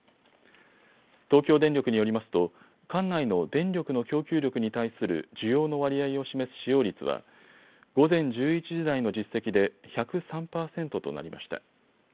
東京電力によりますと管内の電力の供給力に対する需要の割合を示す使用率は午前１１時台の実績で１０３％となりました。